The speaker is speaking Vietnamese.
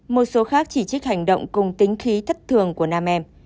một số khác chỉ trích hành động cùng tính khí thất thường của nam em